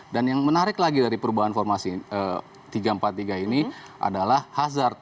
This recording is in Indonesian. dan yang menarik lagi dari perubahan formasi tiga empat tiga ini adalah hazard